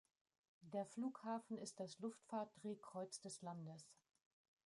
Der Flughafen ist das Luftfahrt-Drehkreuz des Landes.